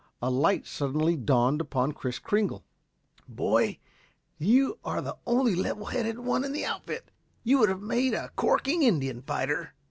A light suddenly dawned upon Kris Kringle. "Boy, you are the only level headed one in the outfit. You would have made a corking Indian fighter."